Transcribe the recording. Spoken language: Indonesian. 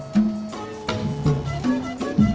kita kan bringk